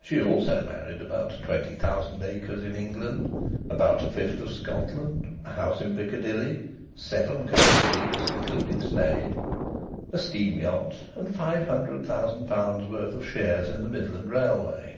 She also married about twenty thousand acres in England, about a fifth of Scotland, a house in Piccadilly, seven country seats (including Sneyd), a steam yacht, and five hundred thousand pounds' worth of shares in the Midland Railway.